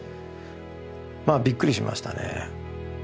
まあびっくりしましたね。